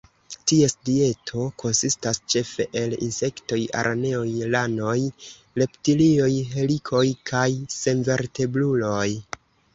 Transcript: Ties dieto konsistas ĉefe el insektoj, araneoj, ranoj, reptilioj, helikoj kaj senvertebruloj.